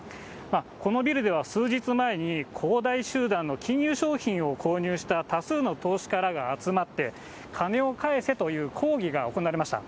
このビルでは数日前に恒大集団の金融商品を購入した多数の投資家らが集まって、金を返せという抗議が行われました。